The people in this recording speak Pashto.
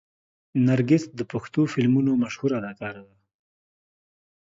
نرګس د پښتو فلمونو مشهوره اداکاره ده.